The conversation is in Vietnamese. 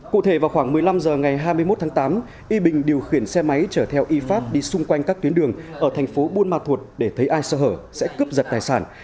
cụ thể vào khoảng một mươi năm h ngày hai mươi một tháng tám y bình điều khiển xe máy chở theo y phát đi xung quanh các tuyến đường ở thành phố buôn ma thuột để thấy ai sơ hở sẽ cướp giật tài sản